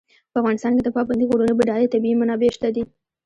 په افغانستان کې د پابندي غرونو بډایه طبیعي منابع شته دي.